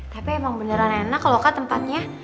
tapi emang beneran enak kalau kak tempatnya